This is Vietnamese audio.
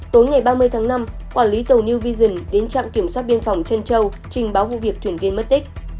tối ngày ba mươi tháng năm quản lý tàu new vision đến trạm kiểm soát biên phòng trân châu trình báo vụ việc thuyền viên mất tích